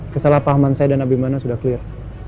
kesalahpahaman saya dan abimana sudah clear